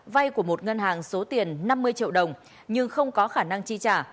vay của một ngân hàng số tiền năm mươi triệu đồng nhưng không có khả năng chi trả